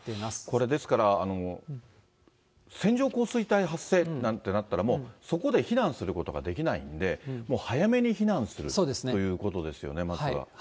これ、ですから、線状降水帯が発生なんてなったら、もうそこで避難することができないんで、もう早めに避難するということですよね、まずは。